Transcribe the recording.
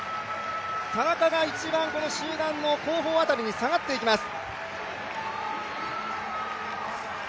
田中が一番、集団の後方辺りに下がっていきます。